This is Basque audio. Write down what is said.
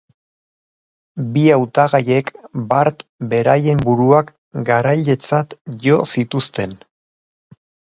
Bi hautagaiek bart beraien buruak garailetzat jo zituzten.